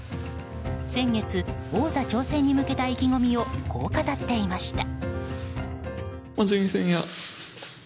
先月、王座挑戦に向けた意気込みをこう語っていました。